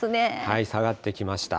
下がってきました。